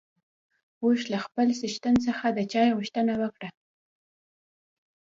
اوښ له خپل څښتن څخه د چای غوښتنه وکړه.